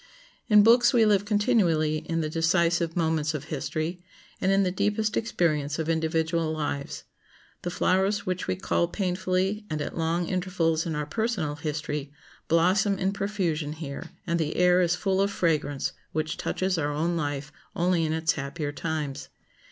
In books we live continually in the decisive moments of history, and in the deepest experience of individual lives. The flowers which we cull painfully and at long intervals in our personal history blossom in profusion here, and the air is full of fragrance which touches our own life only in its happier times.